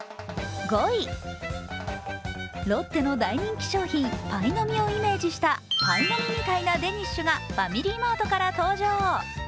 ロッテの大人気商品パイの実をイメージした、パイの実みたいなデニッシュがファミリーマートから登場。